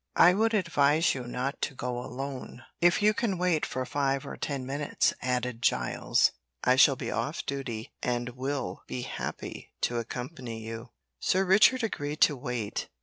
I would advise you not to go alone. If you can wait for five or ten minutes," added Giles, "I shall be off duty and will be happy to accompany you." Sir Richard agreed to wait.